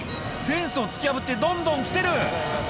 フェンスを突き破ってどんどん来てる